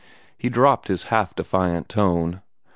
He dropped his half defiant tone.